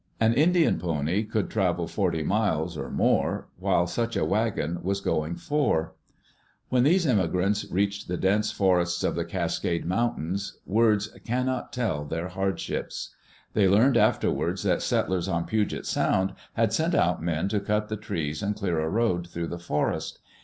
An Indian pony could travel forty miles or more while such a wagon was going four. When these immigrants reached the dense forests of the Cascade Mountains, words cannot tell their hardships. ' Digitized by CjOOQ IC EARLY DAYS IN OLD OREGON They learned afterwards that settlers on Puget Sound had sent out men to cut the trees and clear a road through the forest.